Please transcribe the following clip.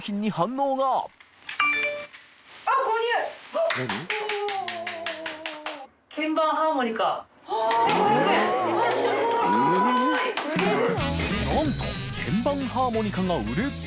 磴覆鵑鍵盤ハーモニカが売れた┐